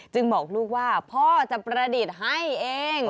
บอกลูกว่าพ่อจะประดิษฐ์ให้เอง